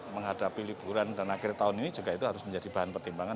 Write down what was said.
menghadapi liburan dan akhir tahun ini juga itu harus menjadi bahan pertimbangan